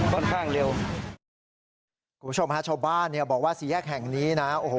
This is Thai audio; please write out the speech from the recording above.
คุณผู้ชมค่ะเช่าบ้านบอกว่าสีแยกแห่งนี้นะ